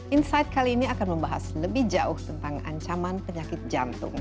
insight kali ini akan membahas lebih jauh tentang ancaman penyakit jantung